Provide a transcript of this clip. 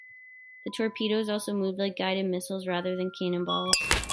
The torpedoes also moved like guided missiles rather than cannonballs.